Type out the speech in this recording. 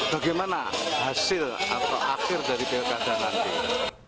bagaimana hasil atau akhir dari pilkada nanti